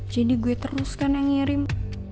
jadi gua terus kan yang ngirim